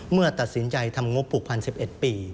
เมื่อตัดสินใจทำงบผูกพัน๑๑ปี